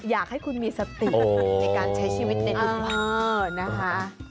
อยากให้คุณมีสติในการใช้ชีวิตในอุปกรณ์